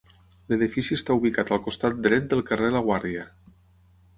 L'edifici està ubicat al costat dret del carrer La Guàrdia.